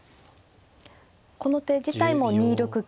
この手自体も２六桂。